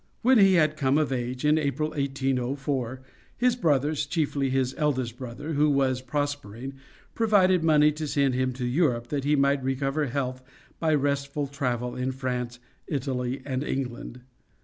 When he had come of age, in April, 1804, his brothers, chiefly his eldest brother, who was prospering, provided money to send him to Europe that he might recover health by restful travel in France, Italy and England.